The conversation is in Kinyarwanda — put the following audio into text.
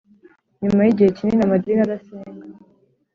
nyuma yigihe kinini amadini adasenga